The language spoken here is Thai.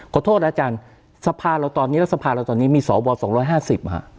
ขอโทษนะอาจารย์สภาเราตอนนี้และสภาเราตอนนี้มีสว๒๕๐อ่ะ